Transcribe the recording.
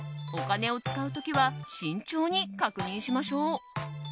お金を使う時は慎重に確認しましょう。